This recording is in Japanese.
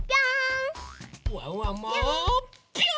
ワンワンもぴょんぴょん！